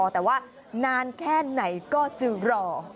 แต่ว่านานแค่ไหนก็จะรอ